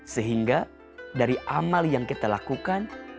sehingga dari amal yang kita lakukan